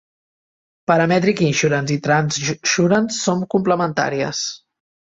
Parametric Insurance i Transurance són complementàries.